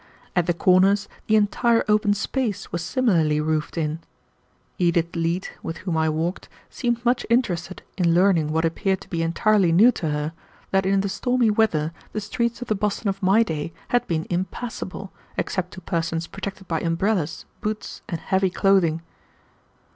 At the corners the entire open space was similarly roofed in. Edith Leete, with whom I walked, seemed much interested in learning what appeared to be entirely new to her, that in the stormy weather the streets of the Boston of my day had been impassable, except to persons protected by umbrellas, boots, and heavy clothing.